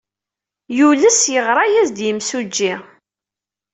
Yules yeɣra-as-d yemsujji.